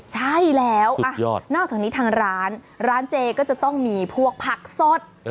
ใช่แล้วนอกจากนี้ทางร้านร้านเจก็จะต้องมีพวกผักสด